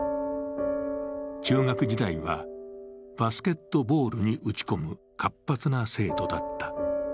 中学時代は、バスケットボールに打ち込む活発な生徒だった。